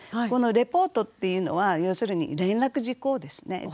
このレポートっていうのは要するに連絡事項ですね。